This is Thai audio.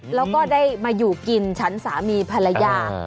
แล้วก็ได้มาอยู่กินฉันสามีภรรยา